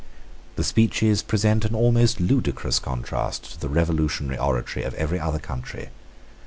The speeches present an almost ludicrous contrast to the revolutionary oratory of every other country.